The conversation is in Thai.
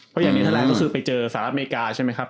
เพราะอย่างนี้แถลงก็คือไปเจอสหรัฐอเมริกาใช่ไหมครับ